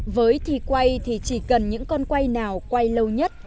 với thi quay thì chỉ cần những con quay nào quay lâu nhất